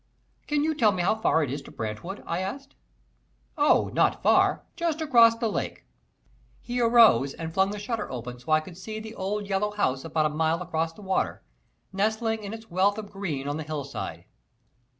"Can you tell me how far it is to Brantwood?" I asked. "Oh, not far just across the lake." He arose and flung the shutter open so I could see the old, yellow house about a mile across the water, nestling in its wealth of green on the hillside.